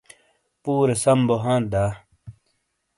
پُورے سَم بو ھانت دا؟